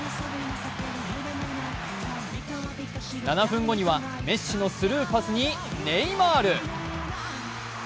７分後にはメッシのスルーパスにネイマール。